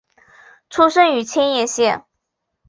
出生于千叶县。